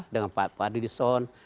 dengan pak adilison